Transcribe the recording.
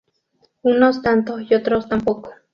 Unos tanto y otros tan poco